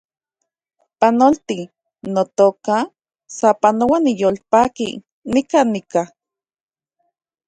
Panolti, notoka , sapanoa niyolpaki nikan nika